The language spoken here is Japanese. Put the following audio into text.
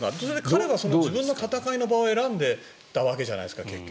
彼は自分の戦いの場を選んでいたわけじゃないですか。